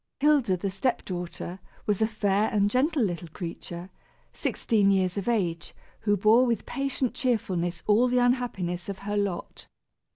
Hilda, the step daughter, was a fair and gentle little creature, sixteen years of age, who bore with patient cheerfulness all the unhappiness of her lot.